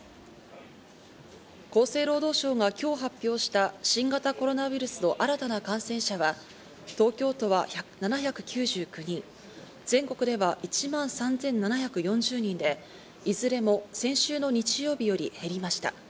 厚生労働省が今日発表した新型コロナウイルスの新たな感染者は東京都は７９９人、全国では１万３７４０人で、いずれも先週の日曜日より減りました。